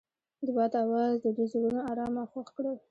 د باد اواز د دوی زړونه ارامه او خوښ کړل.